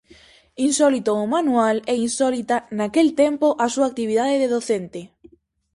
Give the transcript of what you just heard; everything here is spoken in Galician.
Insólito o manual e insólita, naquel tempo, a súa actividade de docente.